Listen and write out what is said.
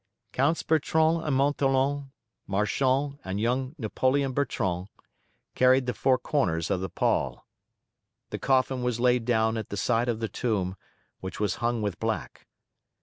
Counts Bertrand and Montholon, Marchand and young Napoleon Bertrand, carried the four corners of the pall. The coffin was laid down at the side of the tomb, which was hung with black.